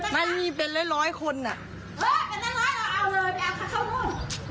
นั่นมีเป็นล้อ้อยร้อยคนน่ะ